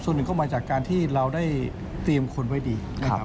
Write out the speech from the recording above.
ส่วนหนึ่งก็มาจากการที่เราได้เตรียมคนไว้ดีนะครับ